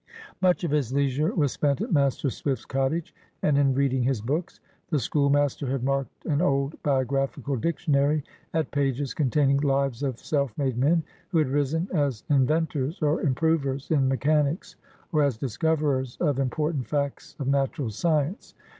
Much of his leisure was spent at Master Swift's cottage, and in reading his books. The schoolmaster had marked an old biographical dictionary at pages containing lives of "self made" men, who had risen as inventors or improvers in mechanics or as discoverers of important facts of natural science.